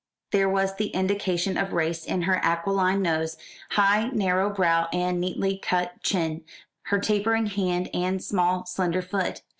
There was the indication of race in her aquiline nose, high narrow brow and neatly cut chin, her tapering hand and small slender foot.